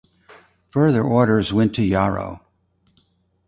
Further orders went to Yarrow.